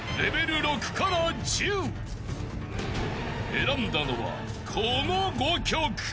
［選んだのはこの５曲］